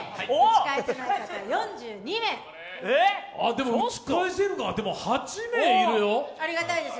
でも、打ち返せるが８名いるよ？